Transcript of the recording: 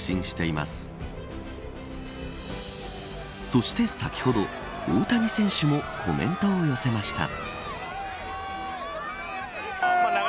そして先ほど大谷選手もコメントを寄せました。